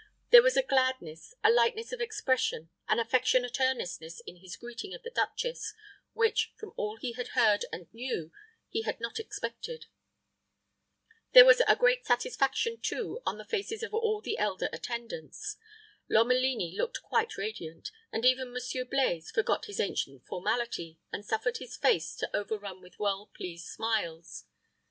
There was a gladness, a lightness of expression, an affectionate earnestness in his greeting of the duchess which, from all he had heard and knew, he had not expected. There was great satisfaction, too, on the faces of all the elder attendants. Lomelini looked quite radiant, and even Monsieur Blaize forgot his ancient formality, and suffered his face to overrun with well pleased smiles.